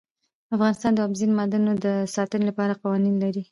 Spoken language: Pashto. افغانستان د اوبزین معدنونه د ساتنې لپاره قوانین لري.